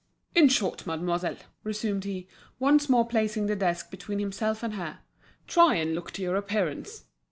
"In short, mademoiselle," resumed he, once more placing the desk between himself and her, "try and look to your appearance.